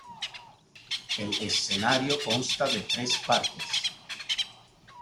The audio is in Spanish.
El escenario consta de tres partes.